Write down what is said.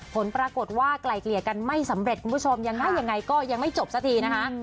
ผลปรากฏว่าไกลเกลี่ยกันไม่สำเร็จคุณผู้ชมยังไงยังไงก็ยังไม่จบสักทีนะคะ